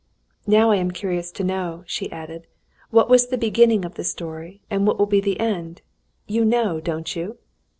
"Now I am curious to know," she added, "what was the beginning of the story and what will be the end? You know, don't you?"